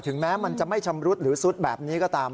แม้มันจะไม่ชำรุดหรือซุดแบบนี้ก็ตาม